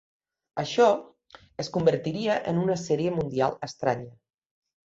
Això es convertiria en una Sèrie Mundial estranya.